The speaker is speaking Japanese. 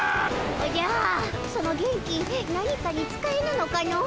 おじゃその元気何かにつかえぬのかの？